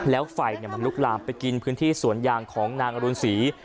แล้วไฟมันลุกลามไปกินพื้นที่สวนยางของนางอรุณศรี